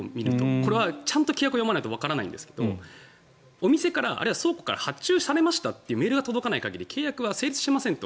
これはちゃんと規約を読まないとわからないんですがお店から倉庫から発注されましたというメールが届かない限り契約は成立していないと。